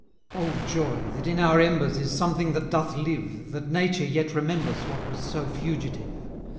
O joy! that in our embers Is something that doth live, 135 That nature yet remembers What was so fugitive!